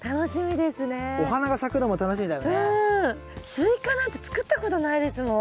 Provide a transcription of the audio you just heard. スイカなんて作ったことないですもん。